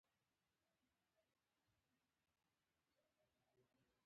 دوی ځانګړې مفکورې رواجوي او خاصه ایدیالوژي خپروي